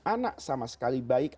anak sama sekali baik